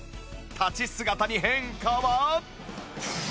立ち姿に変化は？